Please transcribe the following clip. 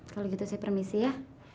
kalau gitu saya permisi ya